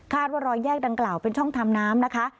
ว่ารอยแยกดังกล่าวเป็นช่องทำน้ำนะคะ